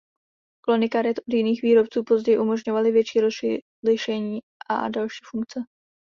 Klony karet od jiných výrobců později umožňovaly větší rozlišení a další funkce.